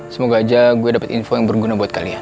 semoga aja gue dapat info yang berguna buat kalian